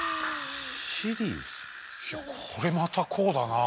これまたこうだなあ。